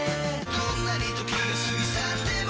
「どんなに時が過ぎ去っても」